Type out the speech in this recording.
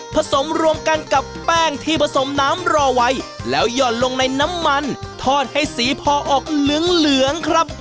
สมรวมกันกับแป้งที่ผสมน้ำรอไว้แล้วหย่อนลงในน้ำมันทอดให้สีพอออกเหลืองเหลืองครับ